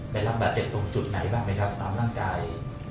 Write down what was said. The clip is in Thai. เป็นลำบาเจ็บตรงจุดไหนบ้างไหมครับน้ำร่างกาย